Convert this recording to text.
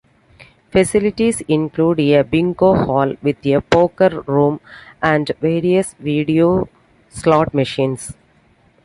Facilities include a Bingo Hall, with a Poker Room and various video slot machines.